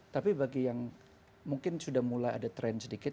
tapi bagi yang mungkin sudah mulai ada tren sedikit